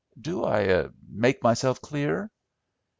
Do I make myself clear?"